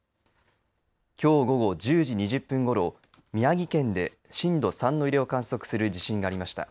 きょう午後１０時２０分ごろ宮城県で震度３の揺れを観測する地震がありました。